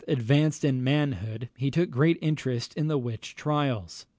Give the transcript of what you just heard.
advanced in manhood, he took great interest in the witch trials.